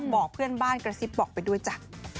บอกเพื่อนบ้านกระซิบบอกไปด้วยจ้ะ